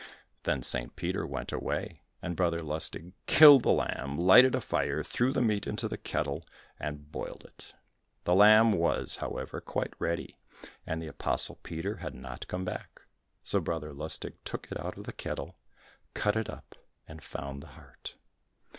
Then St. Peter went away, and Brother Lustig killed the lamb, lighted a fire, threw the meat into the kettle, and boiled it. The lamb was, however, quite ready, and the apostle Peter had not come back, so Brother Lustig took it out of the kettle, cut it up, and found the heart.